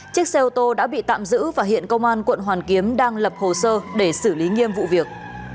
chiếc xe ô tô đã bị tạm giữ và hiện công an quận hoàn kiếm đang lập hồ sơ để xử lý nghiêm vụ việc